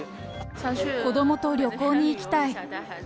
子どもと旅行に行きたい。